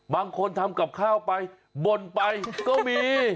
บางคนทำกับข้าวไปบ่นไปก็มี